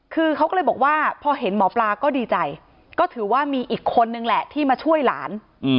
คือเขาก็เลยบอกว่าพอเห็นหมอปลาก็ดีใจก็ถือว่ามีอีกคนนึงแหละที่มาช่วยหลาน